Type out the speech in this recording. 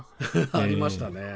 ありましたね。